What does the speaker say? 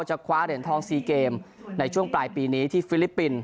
จะคว้าเด่นทองซีเกมในช่วงปลายปีนี้ที่ฟิลิปปินส์